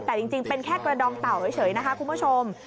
แต่จริงเป็นแค่กระดองเต่าเฉยนะคะคุณผู้ชม